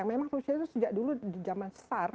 memang rusia itu sejak dulu di zaman sar